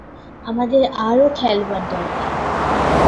আমাদের আরও খেলোয়াড় দরকার!